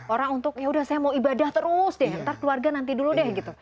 orang untuk yaudah saya mau ibadah terus deh nanti keluarga nanti dulu deh gitu